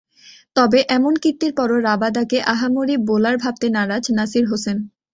তবে এমন কীর্তির পরও রাবাদাকে আহামরি বোলার ভাবতে নারাজ নাসির হোসেন।